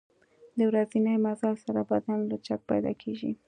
د ورځني مزل سره بدن لچک پیدا کېږي.